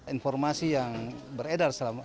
informasi yang beredar selama